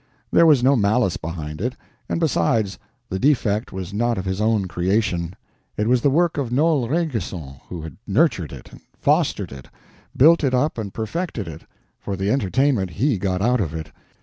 There was no malice behind it; and besides, the defect was not of his own creation; it was the work of Noel Rainguesson, who had nurtured it, fostered it, built it up and perfected it, for the entertainment he got out of it.